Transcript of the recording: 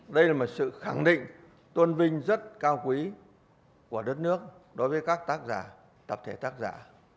đây là một sự khẳng định tôn vinh rất cao quý của đất nước đối với các tác giả tập thể tác giả